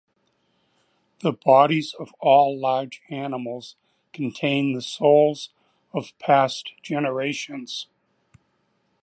The bodies of all large animals contain the souls of past generations.